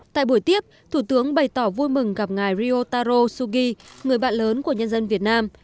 tại buổi tiếp thủ tướng bày tỏ vui mừng gặp ngài riotaro sugi người bạn lớn của nhân dân việt nam